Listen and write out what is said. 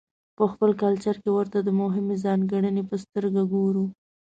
په خپل کلچر کې ورته د مهمې ځانګړنې په سترګه ګورو.